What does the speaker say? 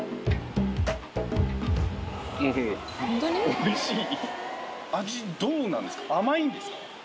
おいしい？